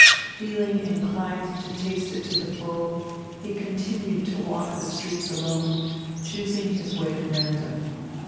Feeling inclined to taste it to the full, he continued to walk the streets alone, choosing his way at random.